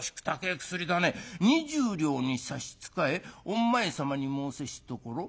『２０両に差し支えおん前さまに申せしところ